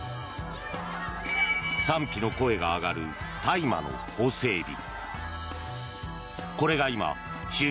賛否の声が上がる大麻の法整備。